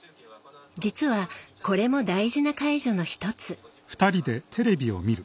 実は、これも大事な介助の一つ。